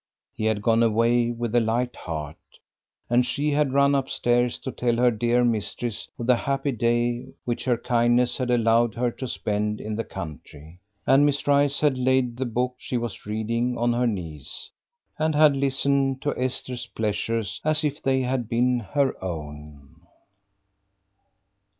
He had gone away with a light heart. And she had run upstairs to tell her dear mistress of the happy day which her kindness had allowed her to spend in the country. And Miss Rice had laid the book she was reading on her knees, and had listened to Esther's pleasures as if they had been her own.